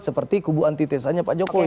seperti kubu antitesanya pak jokowi